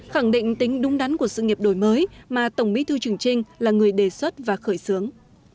khẳng định tính đúng đắn của sự nghiệp đổi mới mà tổng bí thư trường trinh là người đề xuất và khởi xướng